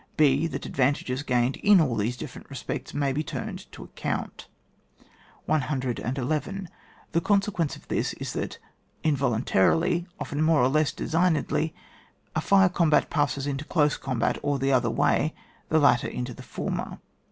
(J>) That advantages gained in all these different respects, may be turned to ac count. 111. The consequence of this is that, involuntarily, often more or less de signedly, a fire combat passes into dose combat, or the other way, the latter into the former.